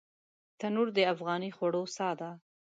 تنور د افغاني خوړو ساه ده